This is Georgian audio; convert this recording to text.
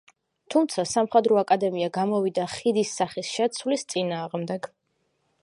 თუმცა სამხატვრო აკადემია გამოვიდა ხიდის სახის შეცვლის წინააღმდეგ.